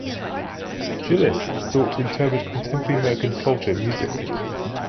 Gillis sought to interpret contemporary American culture musically.